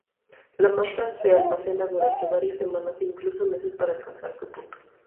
La masa se almacena durante varias semanas e incluso meses para alcanzar su punto.